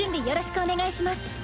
よろしくお願いします。